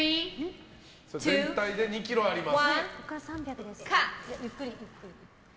全体で２ｋｇあります。